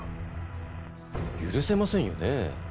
許せませんよね。